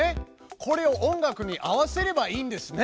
これを音楽に合わせればいいんですね。